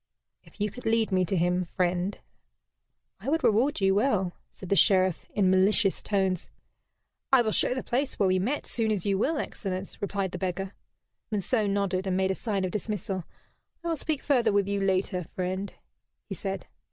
"If you could lead me to him, friend, I would reward you well," said the Sheriff, in malicious tones. "I will show the place where we met soon as you will, excellence," replied the beggar. Monceux nodded, and made a sign of dismissal. "I will speak further with you later, friend," he said.